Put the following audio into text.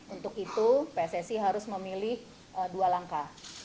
untuk itu pssi harus memilih dua langkah